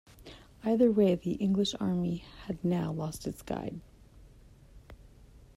Either way, the English army had now lost its guide.